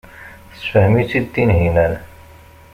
Tessefhem-itt-id Tunhinan.